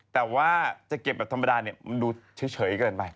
แต่ว่าจะเก็บแบบธรรมดาเนี่ยมันดูเฉยเกินไป